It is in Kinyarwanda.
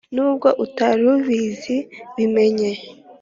nubwo utari ubizi bimenye